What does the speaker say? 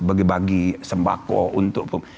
bagi bagi sembako untuk